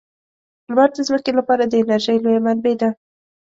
لمر د ځمکې لپاره د انرژۍ لویه منبع ده.